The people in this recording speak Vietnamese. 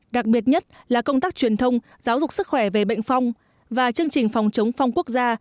đặc biệt nhất là công tác truyền thông giáo dục sức khỏe về bệnh phong và chương trình phòng chống phong quốc gia